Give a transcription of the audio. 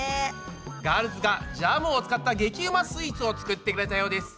ガールズがジャムを使った激うまスイーツを作ってくれたようです。